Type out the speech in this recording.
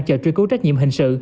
chờ truy cố trách nhiệm hình sự